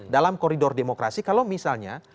dalam koridor demokrasi kalau misalnya